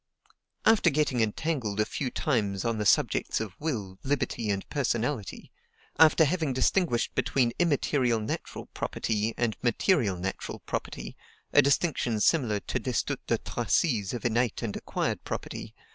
After getting entangled a few times on the subjects of will, liberty, and personality; after having distinguished between IMMATERIAL NATURAL property, and MATERIAL NATURAL property, a distinction similar to Destutt de Tracy's of innate and acquired property, M.